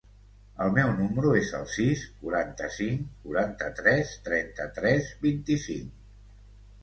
El meu número es el sis, quaranta-cinc, quaranta-tres, trenta-tres, vint-i-cinc.